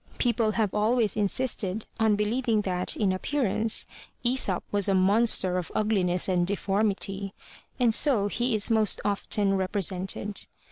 People have always insisted on believing that, in appearance, Aesop was a monster of ugliness and deformity, and so he is most often represented.